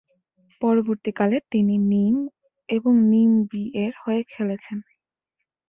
পরবর্তীকালে, তিনি নিম এবং নিম বি-এর হয়ে খেলেছেন।